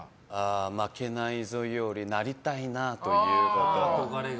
負けないぞよりなりたいなというほうが。